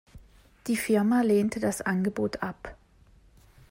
Die Firma lehnte das Angebot ab.